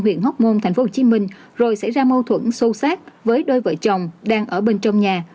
huyện hóc môn thành phố hồ chí minh rồi xảy ra mâu thuẫn sâu sát với đôi vợ chồng đang ở bên trong nhà